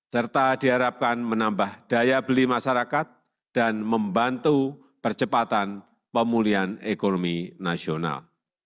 serta diharapkan menambah daya beli masyarakat dan membantu percepatan pemulihan ekonomi nasional